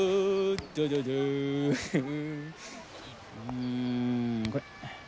うんこれ。